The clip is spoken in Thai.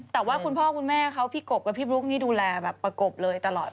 แต่ว่าคุณพ่อคุณแม่เขาพี่กบกับพี่บลุ๊กนี่ดูแลแบบประกบเลยตลอด